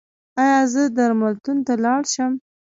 ایا زه درملتون ته لاړ شم؟